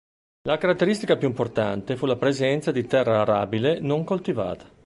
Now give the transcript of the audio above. La caratteristica più importante fu la presenza di terra arabile non coltivata.